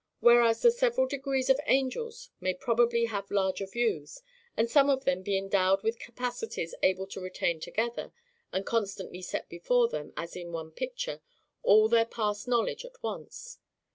Whereas the several degrees of angels may probably have larger views; and some of them be endowed with capacities able to retain together, and constantly set before them, as in one picture, all their past knowledge at once.